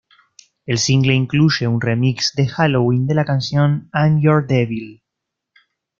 El single incluye un remix de halloween de la canción "I'm your devil".